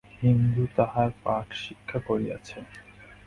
হিন্দু তাহার পাঠ শিক্ষা করিয়াছে।